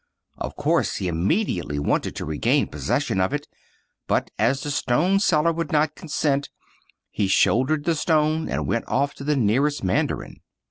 Of course he immediately wanted to regain possession of it; but as the stone seller would not consent, he shouldered the stone and went off to the nearest man darin.